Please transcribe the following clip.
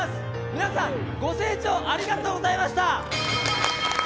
皆さんご清聴ありがとうございました。